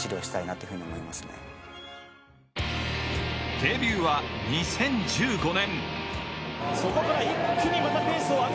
デビューは２０１５年。